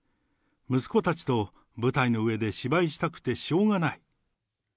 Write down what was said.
息子たちと舞台の上で芝居したくてしょうがない。